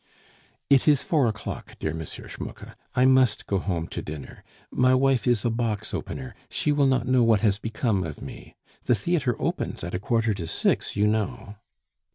"It is four o'clock, dear M. Schmucke. I must go home to dinner. My wife is a box opener she will not know what has become of me. The theatre opens at a quarter to six, you know."